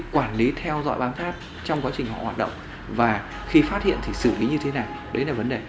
quản lý theo dõi bám sát trong quá trình họ hoạt động và khi phát hiện thì xử lý như thế nào đấy là vấn đề